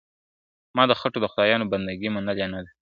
ما د خټو د خدایانو بندګي منلې نه ده ,